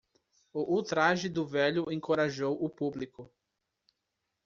O ultraje do velho encorajou o público.